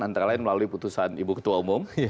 antara lain melalui putusan ibu ketua umum